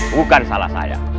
bukan salah saya